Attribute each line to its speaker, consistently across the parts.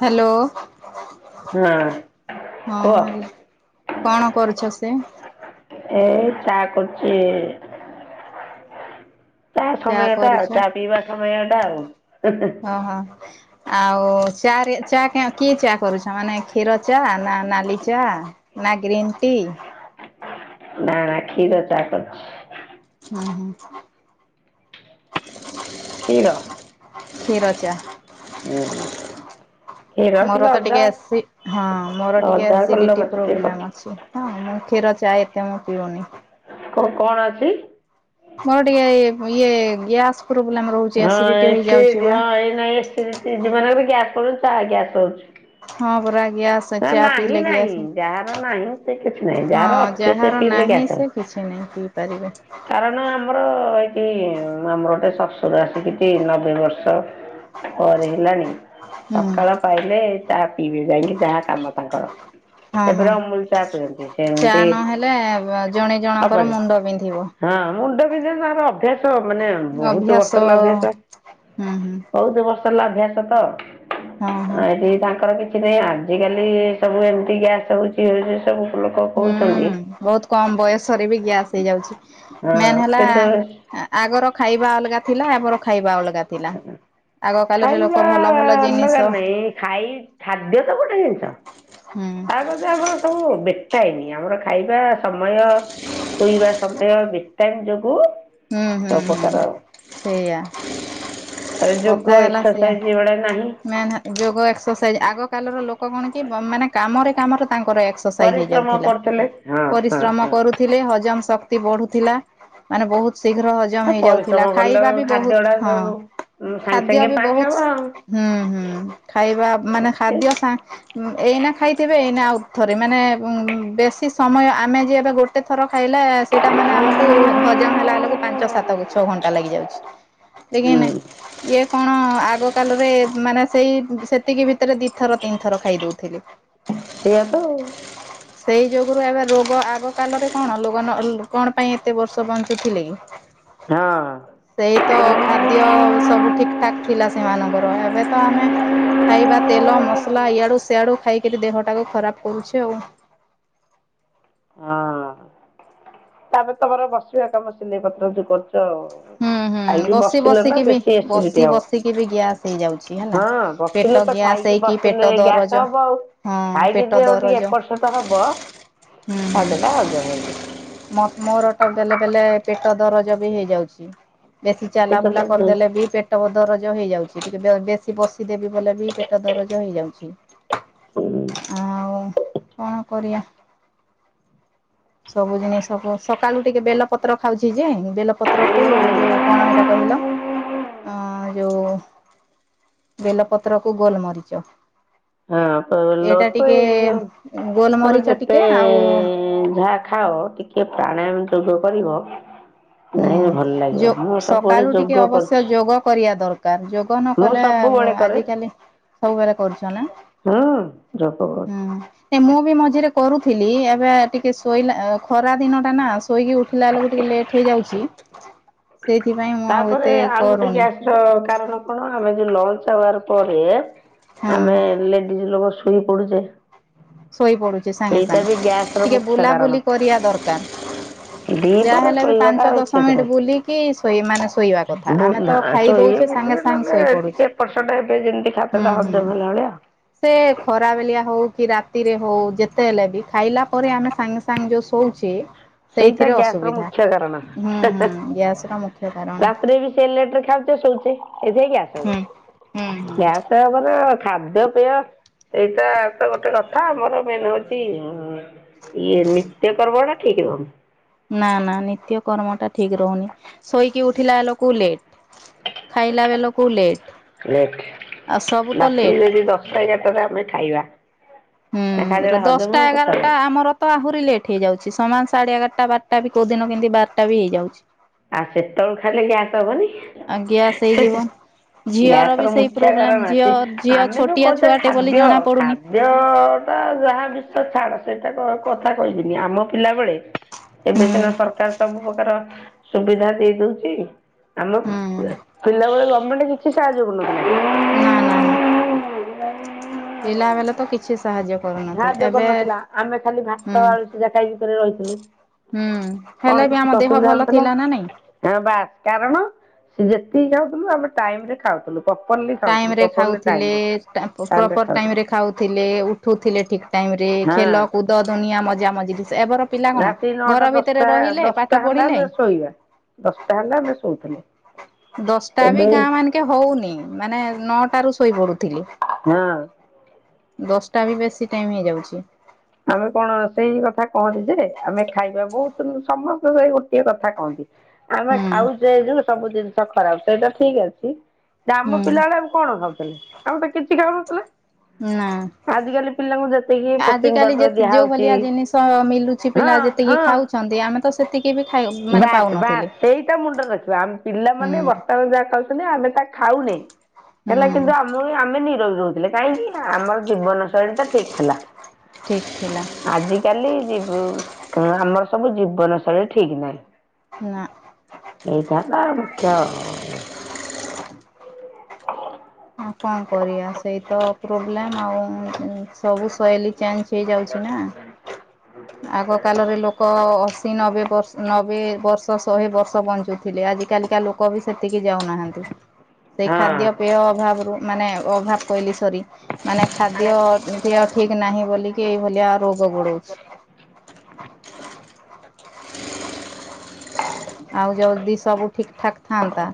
Speaker 1: Hello,
Speaker 2: ହଁ
Speaker 1: ହଁ
Speaker 2: କୁହ।
Speaker 1: ହାଲୋ। କଣ କରୁଛ ସେ?
Speaker 2: ଏଇ ଚାହା କରୁଛି। ଚା ସମୟଟା, ଚା ପିଇବା ସମୟ ଟା ଆଉ
Speaker 1: ଓ ହୋ। ଆଉ ଚା, ଚା କି ଚା କରୁଛ ମାନେ କ୍ଷୀର ଚା ନା ନାଲି ଚା? ନା ଗ୍ରୀନ୍ ଟି
Speaker 2: ନା ନା ଖିର ଚା କରୁଚି।
Speaker 1: ହୁଁ ହୁଁ।
Speaker 2: କ୍ଷୀର
Speaker 1: କ୍ଷୀର ଚା।
Speaker 2: ହୁଁ ହୁଁ।
Speaker 1: ମୋର ତ ଟିକେ ଏସି, ହଁ ମୋର ଟିକେ
Speaker 2: ଅଦା
Speaker 1: ଏସିଡିଟି
Speaker 2: ଗୋଲମରିଚ ଟିକେ ପକେଇ
Speaker 1: ପ୍ରୋବ୍ଲେମ ଅଛି। ହଁ ମୁଁ କ୍ଷୀର ଚା ଏତେ ମୁଁ ପିଉନି।
Speaker 2: କଣ ଅଛି?
Speaker 1: ମୋ ଟିକେ ଇଏ ଗ୍ୟାସ୍ [unintelligible]
Speaker 2: ହଁ
Speaker 1: ହେଇଯାଉଛି
Speaker 2: ଏସିଡି
Speaker 1: ବା
Speaker 2: ହଁ ଏ ଏସିଙ୍କ [unintelligible] ଚା ଗ୍ୟାସ୍ କରୁଛି।
Speaker 1: ହଁ ପରା ଗ୍ୟାସ, ଚା ପିିଇଲେ
Speaker 2: ନାହିଁ
Speaker 1: ଗ୍ୟାସ,
Speaker 2: ଯାହାର ନାହିଁ ସେ କିଛି ନାହିଁ
Speaker 1: ହଁ
Speaker 2: ଯାହାର ଅଛି ସେ
Speaker 1: ଯାହାର
Speaker 2: ପିଇଲେ
Speaker 1: ନାହିଁ
Speaker 2: ଗ୍ୟାସ୍ ହବ।
Speaker 1: ସେ କିଛି ନାହିଁ ପିଇପାରିବେ
Speaker 2: କାରଣ ଆମର ଏଇଠି ଆମର ଗୋଟେ ଶ୍ୱଶୁର ଆସିକି ନବେ ବର୍ଷ ପରେ ହେଲାଣି
Speaker 1: ହୁଁ
Speaker 2: ସକାଳ ପାଇଲେ ଚା ପିଇବେ ଯାଇକି ଯାହା କାମ ତାଙ୍କର
Speaker 1: ହଁ
Speaker 2: ସେ
Speaker 1: ହଁ
Speaker 2: ଫେରେ ଅମୁଲ ଚା ପିଅନ୍ତି ସେ
Speaker 1: ଚା
Speaker 2: ଏମିତି
Speaker 1: ନହେଲେ ଜଣେ ଜଣଙ୍କର
Speaker 2: ହବନି
Speaker 1: ମୁଣ୍ଡ ବିନ୍ଧିବ।
Speaker 2: ହଁ ମୁଣ୍ଡ ବିନ୍ଧେ ତାଙ୍କର ଅଭ୍ୟାସ ମାନେ ବହୁତ
Speaker 1: ଅଭ୍ୟାସ
Speaker 2: ବର୍ଷ [unintelligible] ଅଭ୍ୟାସ
Speaker 1: ହୁଁ ହୁଁ
Speaker 2: ବହୁତ ବର୍ଷ ଅଭ୍ୟାସ ତ
Speaker 1: ହଁ ହଁ।
Speaker 2: ଆଉ ଏଠି ତାଙ୍କର କିଛି ସେଥିପାଇଁ ଆଜିକାଲି ସବୁ ଏମିତି ଗ୍ୟାସ୍ ହେଉଛି ହେଉଛି ସବୁ ଲୋକ
Speaker 1: ହୁଁ
Speaker 2: କହୁଛନ୍ତି।
Speaker 1: ବହୁତ କମ ବୟସରେ ବି ଗ୍ୟାସ୍ ହେଇଯାଉଛି
Speaker 2: ହଁ
Speaker 1: ମେନ୍ ହେଲା
Speaker 2: କିନ୍ତୁ
Speaker 1: ଆଗର ଖାଇବା ଅଲଗା ଥିଲା ଆମର ଖାଇବା ଅଲଗା ଥିଲା ଆଗ କାଳରେ ଲୋକ
Speaker 2: ଖାଇବା
Speaker 1: ଭଲ ଭଲ ଜିନିଷ
Speaker 2: ଅଲଗା
Speaker 1: ହୁଁ
Speaker 2: ନାଇଁ ଖାଇ ଖାଦ୍ୟ ତ ଗୋଟେ ଜିନିଷ
Speaker 1: ହୁଁ।
Speaker 2: ଆମର ସବୁ [unintelligible] ବେଟଏନି ଆମର ଖାଇବା ସମୟ ଶୋଇବା ସମୟ [unintelligible] ତମ ଯୋଗୁଁ
Speaker 1: ହୁଁ ହୁଁ ହୁଁ ସେଇଆ
Speaker 2: ତାପରେ ଯୋଗ
Speaker 1: କଥା ହେଲା ସେୟା
Speaker 2: ଏକ୍ସରସାଇଜ ଏଗୁଡା ନାହିଁ
Speaker 1: ନା ନା ଯୋଗ ଏକ୍ସରସାଇଜ୍ ଆଗ କାର ଲୋକ କଣ କି ମାନେ କାମରେ କାମରେ ତାଙ୍କର ଏକ୍ସରସାଇଜ୍
Speaker 2: ପରିଶ୍ରମ
Speaker 1: ହେଇଯାଉଥିଲା
Speaker 2: କରୁଥିଲେ ହଁ ହଁ
Speaker 1: ପରିଶ୍ରମ
Speaker 2: ହଁ
Speaker 1: କରୁ ଥିଲେ ହଜମ ଶକ୍ତି ବଢୁଥିଲା ମାନେ ବହୁତ ଶୀଘ୍ର ହଜମ ହଜମ
Speaker 2: ଆଉ
Speaker 1: ହେଇଯାଉଥିଲା
Speaker 2: ପରିଶ୍ରମ କଲେ
Speaker 1: ଖାଇବା ବି
Speaker 2: ଖାଦ୍ୟ
Speaker 1: ବହୁତ
Speaker 2: ଗୁଡା
Speaker 1: ହଁ
Speaker 2: ସବୁ ଉଁ ସାଙ୍ଗେ
Speaker 1: ଖାଦ୍ୟ
Speaker 2: ସାଙ୍ଗେ
Speaker 1: ବି
Speaker 2: ପାଣି
Speaker 1: ବହୁତ
Speaker 2: ହବ ଆଉ
Speaker 1: ହୁଁ ହୁଁ ଖାଇବା ମାନେ ଖାଦ୍ୟ ସା ଏଇନା ଖାଇଥିବେ ଏଇନା ଆଉଥରେ ମାନେ ଉଁ ବେଶୀ ସମୟ ଆମେ ଯ ଏବେ ଗୋଟେ କେତେ ଥର ଖାଇଲେ ସେଇଟା ମାନେ ଆମକୁ ହଜମ ହେଲା ବେଳକୁ ପାଞ୍ଚ ସାତ ଗୁଛ ଘଣ୍ଟା ଲାଗିଯାଉଛି
Speaker 2: ହୁଁ
Speaker 1: [unintelligible] ଇଏ କଣ ଆଗ କାଲରେ ମାନେ ସେଇ ସେତିକି ଭିତରେ ଦି ଥର ତିନି ଥର ଖାଇଦଉଥିଲି
Speaker 2: ସେଇଆ ତ
Speaker 1: ସେଇ ଯୋଗୁରୁ ଏବେ ରୋଗ ଆଗ କାଲରେ କଣ ଲୋକ କଣ ପାଇଁ ଏତେ ବର୍ଷ ବଞ୍ଚୁଥିଲେ କି? ହ [inaudible]
Speaker 2: ହଁ।
Speaker 1: ସେଇ ତ ଖାଦ୍ୟ ସବୁ ଠିକ୍ ଠାକ୍ ଥିଲା ସେମାନଙ୍କର ଏବେ ତ ଆମେ ଖାଇବା ତେଲ ମସଲା ଇଆଡୁ ସେଆଡୁ ଖାଇକରି ଦେହଟାକୁ ଖରାପ କରୁଛେ ଆଉ
Speaker 2: ହଁ ତାପରେ ତମର ବସିବା କାମ ସିିଲେଇ ପତ୍ର ଯୋଉ କରୁଛ ଆଉ
Speaker 1: ହୁଁ ହୁଁ
Speaker 2: ଖାଇକି
Speaker 1: ବସି
Speaker 2: ବସିଲେ ନା
Speaker 1: ବସିକି ବି
Speaker 2: ବେଶୀ
Speaker 1: ବସି
Speaker 2: ଏସିଡିଟି ହବ,
Speaker 1: ବସିକି ବି ଗ୍ୟାସ୍ ହେଇଯାଉଛି ହେଲା।
Speaker 2: ହଁ
Speaker 1: ପେଟ
Speaker 2: ବସିଲେ ତ
Speaker 1: ଗ୍ୟାସ୍
Speaker 2: ଖାଇକି
Speaker 1: ହେଇକି ପେଟ
Speaker 2: ବସିଲେ
Speaker 1: ଦରଜ
Speaker 2: ଗ୍ୟାସ ହବ ଆଉ
Speaker 1: ହଁ
Speaker 2: ଖାଇକି
Speaker 1: ପେଟ
Speaker 2: ଯୋଉ ଟିକେ
Speaker 1: ଦରଜ
Speaker 2: ଏପଟ ସେପଟ ହବ
Speaker 1: ହୁଁ ହୁଁ।
Speaker 2: ଖାଦ୍ୟ ଟା ହଜମ ହେଇଯିବ
Speaker 1: ମୋର ଟା ବେଲେ ବେଲେ ପେଟ ଦରଜ ବି ହେଇଯାଉଛି ବେଶୀ ଚାଲା
Speaker 2: ପେଟ
Speaker 1: ବୁଲା
Speaker 2: ଦରଜ ହଉଛି।
Speaker 1: କରିଦେଲେ ବି ପେଟ ପେଟ ଦରଜ ହେଇଯାଉଛି ଟିକେ ବେଶୀ ବସିଦେବି ବୋଲେ ବି ପେଟ ଦରଜ ହେଇଯାଉଛି ଆଉଁ କଣ କରିବା ସବୁ ଜିନିଷ ସବୁ ସକାଳୁ ଟିକେ ବେଲପତ୍ର ଖାଉଛି ଯେ ବେଲପତ୍ର ତୁ ଯୋଉ କଣ ଏଇଟା କହିଲ ଅଁ ଯୋଉ ବେଲପତ୍ର କୁ ଗୋଲ ମରିଚ
Speaker 2: ହଁ ତ [unintelligible] ଏଇ ଯ ତାପରେ
Speaker 1: ଗୋଲମରିଚ
Speaker 2: ଯେତେ
Speaker 1: ଟିକେ ଆଉ
Speaker 2: ଯାହା ଖାଅ ଟିକେ ଟିକେ ପ୍ରାଣାୟାମ ଯୋଗ କରିବ ନାଇଁ ଭଲ
Speaker 1: ହୁଁ
Speaker 2: ଲାଗିବ
Speaker 1: ଯୋ
Speaker 2: ମୁଁ ସବୁବେଳେ
Speaker 1: ସକାଳୁ ଟିକେ
Speaker 2: ଯୋଗ
Speaker 1: ଅବଶ୍ୟ
Speaker 2: କରୁଛି
Speaker 1: ଯୋଗ କରିବା ଦରକାର ଯୋଗ ଯୋଗ
Speaker 2: ମୁଁ
Speaker 1: ନକଲେ
Speaker 2: ସବୁବେଳେ କରେ
Speaker 1: ଆଜିକାଲି ସବୁବେଳେ କରୁଛ ନା
Speaker 2: ହୁଁ ଯୋଗ କରୁଛି।
Speaker 1: ହୁଁ ମୁଁ ବି ମଝିରେ କରୁଥିଲି ଏବେ ଟିକେ ଶୋଇଲା ଖରା ଦିନଟା ନା ଆସ ଶୋଇକି ଉଠିଲା ବେଳକୁ ଟିକେ ଲେଟ୍ ହେଇଯାଉଛି ସେଇଥିପାଇଁ ମୁଁ ଆଉ
Speaker 2: ତାପରେ
Speaker 1: ଏତେ
Speaker 2: ଆଉ ଗୋଟେ
Speaker 1: କରୁନି
Speaker 2: ଗ୍ୟାସ୍ କାରଣ କଣ ଆମେ ଯୋଉ ଲଞ୍ଚ ଆୱାର ପରେ
Speaker 1: ହଁ।
Speaker 2: ଆମେ ଲେ କି ଲୋକ ଶୋଇ ପଡୁଛେ
Speaker 1: ଶୋଇପଡୁଛି ସାଙ୍ଗେ
Speaker 2: ସେଇଟା ବି
Speaker 1: ସାଙ୍ଗେ
Speaker 2: ଗ୍ୟାସ ର
Speaker 1: ଟିକେ
Speaker 2: ମୁଖ୍ୟ କାରଣ।
Speaker 1: ବୁଲାବୁଲି କରିବା ଦରକାର। ଯାହା
Speaker 2: ଦିପହରେ
Speaker 1: ହେଲେ ବି
Speaker 2: ଶୋଇବାଟା
Speaker 1: ପାଞ୍ଚ ଦଶ
Speaker 2: ଉଚିତ
Speaker 1: ମିନିଟ
Speaker 2: ନାହିଁ।
Speaker 1: ବୁଲିକି ଶୋଇ ମାନେ ଶୋଇବା କଥା ଆମେ ତ ଖାଇ ଦଉଛେ ସାଙ୍ଗେ
Speaker 2: ବୁଲିଲେ
Speaker 1: ସାଙ୍ଗେ ଶୋଇ
Speaker 2: ନହେଲେ
Speaker 1: ପଡୁଛି।
Speaker 2: ଟିକେ ଏପଟ ସେଟ ହେବେ ଯେମିତି ଖାଦ୍ୟ
Speaker 1: ହୁଁ
Speaker 2: ଟା
Speaker 1: ହୁଁ
Speaker 2: ହଜମ ହେଲା ଭଳିଆ ଆଉ।
Speaker 1: ସେ ଖରାବେଲିଆ ହଉ କି ରାତ ରାତିରେ ହଉ ଯେତେ ହେଲେ ବି ଖାଇଲା ପରେ ଆମେ ସାଙ୍ଗେ ସାଙ୍ଗେ ଯୋଉ ଶୋଉଛେ
Speaker 2: ସେଇଟା
Speaker 1: ସେଇଥିରେ
Speaker 2: ଗ୍ୟାସ ର
Speaker 1: ଅସୁବିଧା
Speaker 2: ମୁଖ୍ୟ କାରଣ।
Speaker 1: ହୁଁ ହୁଁ ଗ୍ୟାସ ର ମୁ
Speaker 2: ରାତିରେ ବି ସେ ଲେଟରେ ଖାଉଛେ ଶୋଉଛେ ଏଥିାଇ ଗସ
Speaker 1: ହୁଁ ହୁଁ
Speaker 2: ହଛ ଗ୍ୟା ତାପର ଖାଦ୍ୟପେୟ ଏଇଟା ତ ଗୋଟେ କଥା ଆମର ମେନ୍ ହଉଛି ଇଏ ନିତ୍ୟ କ ଠିକ ହନ।
Speaker 1: ନା ନା ନିତ୍ୟ କର୍ମ ଟା ଠିକ ରହୁନି ଶୋଇକି ଉଠିଲା ଲୋକକୁ ଲେଟ୍ ଖାଇଲା ବେଳକୁ ଲେଟ ଆଉ ସବୁ ତ ଲେଟ୍।
Speaker 2: ସେଇ ହାତ ରେ ଆମେ ଖାଇବା। ସେ
Speaker 1: ହୁଁ
Speaker 2: ଖାଦ୍ୟଟା ହଜମ
Speaker 1: ଦଶଟା
Speaker 2: ହେବ
Speaker 1: ଏଗାରଟା
Speaker 2: କେତେବେଳେ
Speaker 1: ଆମର ତ ଆହୁରି ଲେଟ୍ ହେଇଯାଉଛି ସମାନ ସାଢେ ଏଗାରଟା ବାରଟା ବି କୋଉ ଦିନ କେମିତି ବାରଟା ବି ହେଇଯାଉଛି।
Speaker 2: ଆଉ ସେତେବେଳଳେ ଖାଇଲେ କି ଆସ ହବନି?
Speaker 1: ଆ ଗ୍ୟାସ ହେଇଯିବ। ଝିଅର ବି
Speaker 2: ଗ୍ୟାସର
Speaker 1: ସେଇ
Speaker 2: ମୁଖ୍ୟ କାରଣ
Speaker 1: ପ୍ରୋବ୍ଲେମ ଝିଅ
Speaker 2: କି
Speaker 1: ଝିଅ ଛୋଟିଆ ଛୁଆଟେ ବୋଲି ଜଣା ପଡୁନି।
Speaker 2: ଦେ ଟା ଯାହା ବିଷ ଛାଡ ସେଇଟା କଥା କହିବିନି ଆମ ପିଲାବେଳେ
Speaker 1: ହୁଁ
Speaker 2: ଏବେ ସିନା ସରକାର ସବୁ ପ୍ରକାର ସୁବିଧା ଦେଇ ଦଉଛି। ଆମ ପିଲାବେଳେ ଗମେଣ୍ଟ କିଛି ସାହାଯ୍ୟ କରୁ
Speaker 1: ନା
Speaker 2: ନଥିଲା।
Speaker 1: ନା ନା ପିଲା ବେଳେ ତ କିଛି ସାହାଯ୍ୟ କରୁନଥିଲେ
Speaker 2: ଘାହାଯ୍ୟ
Speaker 1: ଏବେ
Speaker 2: କରିନଥିଲା ଆମେ ଖାଲି
Speaker 1: ହୁଁ
Speaker 2: ଭାତ ଆଳୁଷ ଯା ଖାଇବ କରି ରହିଥିଲୁ।
Speaker 1: ହୁଁ ହେଲେ ବି ଆମ ଦେହ ଭଲ ଥିଲା ନା ନାଇଁ?
Speaker 2: ତା ବାସ୍ କାରଣ ସେି ଯେତିକି ଖାଉଥିଲୁ ଆମେ ଟାଇମ ରେ ଖାଉଥିଲୁ। ପପରଲି
Speaker 1: ଟାଇମ ରେ ଖାଉଥିଲେ ଟା
Speaker 2: ଟାଇମରେ
Speaker 1: ପ୍ରପର ଟାଇମ
Speaker 2: ଖାଉଥିଲୁ
Speaker 1: ରେ ଖାଉ ଥିଲେ ଉଠୁଥିଲେ ଠିକ ଟାଇମ ରେ ଖେଲ
Speaker 2: ହଁ
Speaker 1: କୁଦ ଧନିଆ ମଜା ମଜର
Speaker 2: ରାତି ନଅଟା ଦଶଟା ଦଶଟା ହେଲା
Speaker 1: ପଢିଲେ
Speaker 2: ଆମେ ଶୋଇବା ଦଶଟା ହେଲା ଆମେ ଶୋଇଥିଲେ।
Speaker 1: ଦଶଟା ବି ଗାଁ ମାନିକେ ହଉନି ମାନେ ନଅଟା ରୁ ଶୋଇପଡୁଥିଲି।
Speaker 2: ହଁ।
Speaker 1: ଦଶଟା ବି ବେଶୀ ଟାଇମ ହେଇଯାଉଛି।
Speaker 2: ଆମେ କଣ ସେଇ କଥା କହନ୍ତି ଯେ ଆମେ ଖାଇବା ବହୁତ ସମସ୍ତେ ସେଇ ଗୋଟଏ କଥା କହନ୍ତି। ଆମେ
Speaker 1: ହୁଁ
Speaker 2: ଖାଉଛେ ଏଇ ଯୋଉ ସବୁ ଜିନିଷ ଖରାପ ସେଇଟା ଠିକ ଅଛି ଆମ
Speaker 1: ହୁଁ
Speaker 2: ପିଲାଡା କଣ ଖାଉଥିଲେ ଆମେ ତ କିଛି ଖାଉନଥିଲେ
Speaker 1: ନା।
Speaker 2: ଆଜିକାଲି ପିଲାଙ୍କୁ ଯେତିକି ପ୍ରୋଟିନ୍
Speaker 1: ଆଜିକାଲି ଯେ
Speaker 2: ପାଉଡର
Speaker 1: ଯେଉଁ
Speaker 2: ଦିଆହଉଛି
Speaker 1: ଭଳିଆ ଜିନିଷ ମିଲୁଛି
Speaker 2: ହଁ
Speaker 1: ପିଲା ଯେତିକି
Speaker 2: ହଁ
Speaker 1: ଖାଉଛନ୍ତି ଆମେ ତ ସେତିକି ବି ଖାଇ ମାନେ
Speaker 2: ବାସ୍ ବାସ୍
Speaker 1: ପାଉନଥିଲେ
Speaker 2: ସେଇଟା ମୁଣ୍ଡରେ ରଖିବା ଆମେ
Speaker 1: ହୁଁ
Speaker 2: ପିଲାମାନୋନେ ବର୍ତ୍ତମାନ ଯାହା କହୁଛନ୍ତି ଆମେ ତା ଖାଉନେ ହେଲା
Speaker 1: ହୁଁ
Speaker 2: କିନ୍ତୁ ଆମ ଆମେ ର ରହୁଥିଲେ କାହିଁକି ନା ଆମର ଜୀବନ ଶୈଳୀ ଟା ଠିକ ଥିଲା।
Speaker 1: ଠିକ ଥିଲା
Speaker 2: ଆଜିକାଲି ଯିବ ଆମର ସବୁ ଜୀବନଶୈଳୀ ଠିକ୍ ନାହିଁ।
Speaker 1: ନା।
Speaker 2: ଏଇଟତ ମୁଖ୍ୟ ଆଉ
Speaker 1: [inaudible] ଆଉ କଣ କରିବା ସେଇତ ପ୍ରୋବ୍ଲେମ ଆଉ। ସବୁ ଶୈଲିୀ ଚେଞ୍ଜ ହେଇଯାଉଛି ନା। ଆଗ କାଳରେ ଲୋକ ଅଶୀ ନବେ ବର୍ଷ ନବ ବେ ବର୍ଷ ଶହେ ବର୍ଷ ବଞ୍ଚୁଥିଲେ ଆଜି କାଲିକା ଲୋକ ବି ସେତିକି ଯାଉନାହାନ୍ତି। ସେଇ ଖାଦ୍ୟ ପେୟ ଅଭାବ ରୁ ମାନେ ଅଭାବ କହିଲି ସରି। ମାନେ ଖାଦ୍ୟ ଦ ଠିକ ନାହିଁ ବୋଲିକି ଏଇ ଭଳିଆ ରୋଗ ବୁଡଉଛି। ଆଉ ଯଦି ସବୁ ଠିକଠାକ୍ ଥାନ୍ତା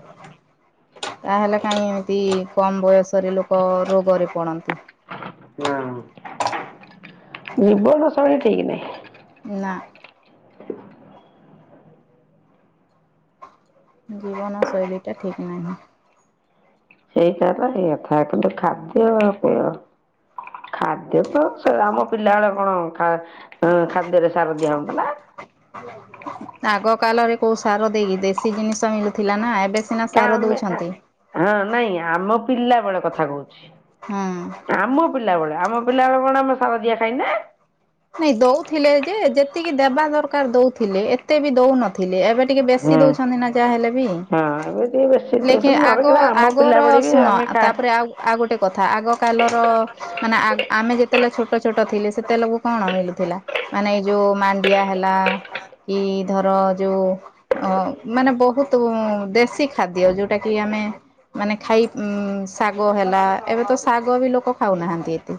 Speaker 1: ତାହେଲେ କାହିଁ ଏମିତି କମ ବୟସରେ ଲୋକ ରୋଗରେ ପଡନ୍ତି।
Speaker 2: ହଁ ଜୀବନ ଶୈଳୀ ଠିକ ନାହିଁ।
Speaker 1: ନା। ଜୀବନ ଶୈଳୀଟା ଠିକ ନାହିଁ।
Speaker 2: ସେଇଟା ତ ଏଇ କଥା କିନ୍ତୁ ଖାଦ୍ୟପେୟ ଖାଦ୍ୟ ତ ସେ ଆମ ପିଲାବେଳେ କଣ ଖା ଉଁ ଖାଦ୍ୟରେ ସାର ଦିଆ ହଉନଥିଲା?
Speaker 1: ଆଗ କାଲରେ କୋଉ ସାର ଦେଇକି ଦେଶୀ ଜିନିଷ ମିଳୁଥିଲା ନା ଏବେ ସିନା
Speaker 2: କ
Speaker 1: ସାର
Speaker 2: ଆମେ
Speaker 1: ଦଉଛନ୍ତି।
Speaker 2: ହଁ ନାଇଁ ଆମ ପିଲା ବେଳେ କଥା କହୁଛି।
Speaker 1: ହଁ।
Speaker 2: ଆମ ପିଲାବେେଳେ ଆମ ପିଲାବେଳେ କଣ ଆମ ସାର ଦିଆ ଖାଇନା
Speaker 1: ନାଇଁ ଦଉଥିଲେ ଯେ ଯେତିକି ଦେବା ଦରକାର ଦଉଥିଲେ ଏତେ ବି ଦଉନଥିଲେ ଏବେ ଏବେ ଟିକେ ବେଶି
Speaker 2: ହୁଁ
Speaker 1: ଦଉଛନ୍ତି ନା ଯାହା ହେଲେ ବି
Speaker 2: ହଁ ଏବେ ଟିକେ ବେଶୀ
Speaker 1: ଲେକିନ
Speaker 2: ଦଉଛନ୍ତି ନହେଲେ
Speaker 1: ଆଗ
Speaker 2: କିନ୍ତୁ ଆମ
Speaker 1: ଆଗର
Speaker 2: ପିଲାବେଳେ ବି
Speaker 1: ଶୁଣ
Speaker 2: ଆମେ ଖା
Speaker 1: ତାପରେ ଆଉ ଆଉ ଗୋଟେ କଥା ଆଗକାଲର ମାନେ ଆମେ ଯେତେବେଳେ ଛୋଟ ଛୋଟ ଥିଲେ ସେତେବେଲୁ ମିଳୁଥିଲା ମାନେ ଏଇ ଯୋଉ ମାଣ୍ଡିଆ ହେଲା କି ଧର ଯୋଉ ଅ ମାନେ ବହୁତ ଦେଶୀ ଖାଦ୍ୟ ଯୋଉଟା କି ଆମେ ମାନେ ଖାଇ ଉ ଶାଗ ହେଲା ଏବେ ତ ଶାଗ ବି ଲୋକ ଖାଉନାହାନ୍ତି ଏତେ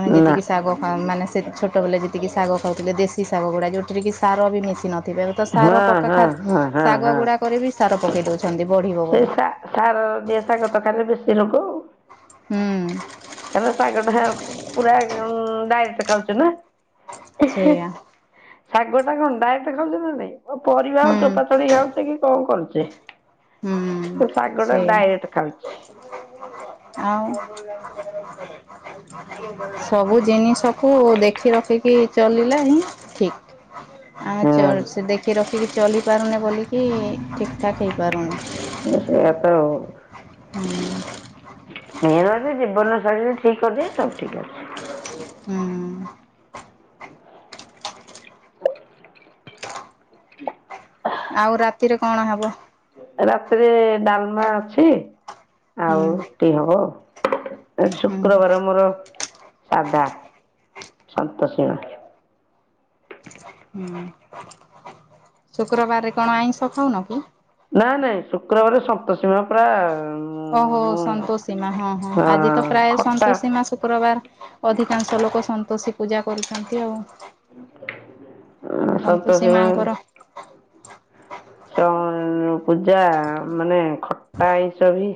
Speaker 1: ଆମେ ଯେତ
Speaker 2: ନା
Speaker 1: ଶାଗ ଖାଉ ମାନେ ସେ ଛୋଟବେଲେ ଯେତିକି ଶାଗ ଖାଉଥିଲେ ଦେଶୀ ଶାଗ ଗୁଡ଼ା ଯେଉଁଥିରେ କି ସାର ବି ମିଶି ନଥିବେ। ତ
Speaker 2: ହଁ
Speaker 1: ସାର ପକା
Speaker 2: ହଁ
Speaker 1: ଖା
Speaker 2: ହଁ ହଁ
Speaker 1: ଶାଗ
Speaker 2: ହଁ
Speaker 1: ଗୁଡା କରି ବି ସାର ପକେଇ ଦଉଛନ୍ତି ବଢିବ
Speaker 2: ସେ
Speaker 1: ବୋଲି
Speaker 2: ସାର ଦିଆ ଶାଗତ ଖାଇଲେ ବେଶୀ ରୋଗ।
Speaker 1: ହୁଁ।
Speaker 2: କ ଶାଗଟା ପୁରା ଉଁ ଡାଇରେକ୍ଟ ଖାଉଥିଲୁ।
Speaker 1: ସେଇଆ
Speaker 2: ଶାଗଟା କଣ ଡାକ୍ଟ ଖାଉଛେ ନା ନାଇଁ ପରିବା ଆଉ
Speaker 1: ହୁଁ
Speaker 2: ଚୋପା ଚଢେଇ ଖାଉଛେ କି କଣ କରୁଛେ?
Speaker 1: ହୁଁ
Speaker 2: ସେ ଶାଗଟା
Speaker 1: ସେଇଆ
Speaker 2: ଡାଇରେକ୍ଟ ଖାଉଛି।
Speaker 1: ଆଉ ସବୁ ଜିନିଷକୁ ଦେଖି ରଖିକି ଚଲିଲେ ହିଁ ଠିକ। ଆମେ ସେ
Speaker 2: ହଁ
Speaker 1: ଦେଖି ରଖିକି ଚଲି ପାରୁନେ ବୋଲିକି ଠିକ ଠାକ୍ ହେଇପାରୁନି।
Speaker 2: ସେୟାତ ଆଉ
Speaker 1: ହୁଁ
Speaker 2: ନିର ଜୀବନ ଶୈଳୀରେ ଠିକ ଅଛି ସବୁ ଠିକ ଅଛି।
Speaker 1: ହୁଁ। ଆଉ ରାତିରେ କଣ ହେ
Speaker 2: ରାତିରେ ଡାଲମା ଅଛି
Speaker 1: ହୁଁ
Speaker 2: ଆଉ ରୁଟି ହବ ଆଜି
Speaker 1: ହୁଁ ହୁଁ
Speaker 2: ଶୁକ୍ରବାର ମୋର ସାଧା ସନ୍ତୋଷୀମା।
Speaker 1: ହୁଁ ଶୁକ୍ରବାରେ କଣ ଆଇଁଷ ଖାଉନ କି?
Speaker 2: ନାଇଁ ନାଇଁ ଶୁକ୍ରବାର ସନ୍ତୋସୀମା ପରା
Speaker 1: ଓହୋ ସନ୍ତୋଷୀମା ହଁ ହଁ ଆଜି ତ ପ୍ରାୟ ସନ୍ତୋଷୀମା ଶୁକ୍ରବାର। ଅଧିକାଂଶ ଲୋକ ସନ୍ତୋଷୀ ପୂଜା କରୁଛନ୍ତି ଆଉ
Speaker 2: ସନ୍ତୋଷୀ
Speaker 1: ସନ୍ତୋଷୀ
Speaker 2: ମା
Speaker 1: ମାଙ୍କର
Speaker 2: ସ ପୂଜା ମାନେ ଖଟା ଆଇଁଷ ବି?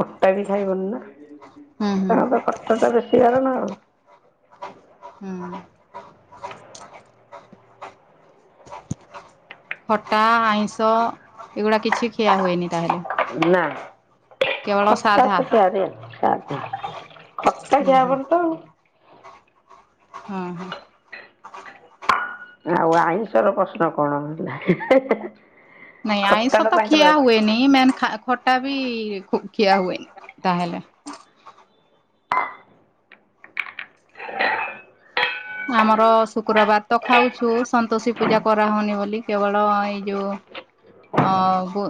Speaker 2: ଖଟା ବି ଖାଇବନି ନା,
Speaker 1: ହୁଁ ହୁଁ
Speaker 2: ତାଙ୍କର ତ ଖଟାଟା ବେଶୀ ବାରଣ ଆଉ
Speaker 1: ହୁଁ। ଖଟା ଆଇଁଷ ଏଗୁଡ଼ା କିଛି ଖିଆ ହୁଏନି ତାହେଲେ
Speaker 2: ନା
Speaker 1: କେବଳ
Speaker 2: ଖଟା
Speaker 1: ସାଧା
Speaker 2: ତ ଆ [inaudible] ଖଟା
Speaker 1: ହୁଁ
Speaker 2: ଖିଆ
Speaker 1: ହୁଁ
Speaker 2: ହବନି ତ
Speaker 1: ଅ ହଁ।
Speaker 2: ଆଉ ଆଇଁଷର ପ୍ରଶ୍ନ କଣ [unintelligible]
Speaker 1: ନାଇଁ
Speaker 2: ଖଟା
Speaker 1: ଆଇଁଷ
Speaker 2: ଟା
Speaker 1: ତ ଖିଆ
Speaker 2: ତାଙ୍କର
Speaker 1: ହୁଏନି ମେନ୍ ଖା ଖଟା ବି ଖୁ ଖିଆ ହୁଏନି ତାହେଲେ।
Speaker 2: [inaudible]
Speaker 1: ଆମର ଶୁକ୍ରବାର ତ ଖାଉଛୁ ସନ୍ତୋଷୀ ପୂଜା କରା ହଉନି ବୋଲି କେବଳ ଏଇ ଯୋଉ ଅ ବୁ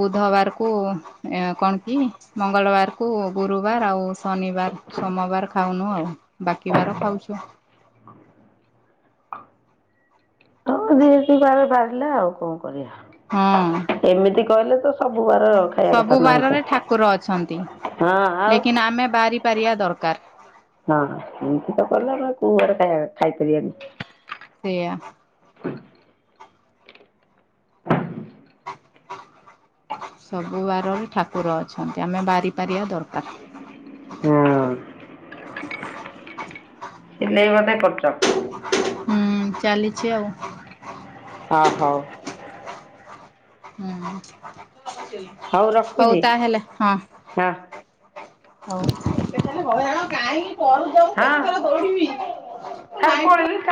Speaker 1: ବୁଧବାରକୁ କଣ କି? ମଙ୍ଗଳବାର କୁ ଗୁରୁବାର ଆଉ ଶନିବାର ସୋମବାର ଖାଉନୁ ଆଉ। ବାକିିବାର ଖାଉଛୁ।
Speaker 2: [inaudible] ଯିଏ ଯେତିକି ବାର ବାରିଲା ଆଉ କଣ କରିବା।
Speaker 1: ହଁ।
Speaker 2: ଏମିତି କହିଲେ ତ ସବୁ ବାର ଖାଇବା କଥା
Speaker 1: ସବୁ
Speaker 2: ନୁହେଁ ଆଇଁଷ।
Speaker 1: ବାରରେ ଠାକୁର ଅଛନ୍ତି
Speaker 2: ହଁ ଆଉ
Speaker 1: ଲେକିନ ଆମେ ବାରି ପାରିବା ଦରକାର।
Speaker 2: ହଁ ଏମତି ତ କଲେ ଆଉ କୋଉ ବାରେ ଖାଇ ଖାଇପାରିବାନି।
Speaker 1: ସେଇଆ। ସବୁବାର ହିଁ ଠାକୁର ଅଛନ୍ତି, ଆମେ ବାରିପାରିବା ଦରକାର।
Speaker 2: ହଁ ସିଲେଇ ବୋଧେ କରୁଚ।
Speaker 1: ହୁଁ ଚାଲିଛି ଆଉ।
Speaker 2: ଅ ହଉ।
Speaker 1: ହୁଁ ହଉ ତାହେଲେ ହଁ।
Speaker 2: ହଁ
Speaker 1: ହଉ। [unintelligible]
Speaker 2: ହଁ
Speaker 1: ଦୌଡ଼ିବି
Speaker 2: ସାର୍
Speaker 1: ନାଇଟ୍
Speaker 2: ପଳେଇଲେ।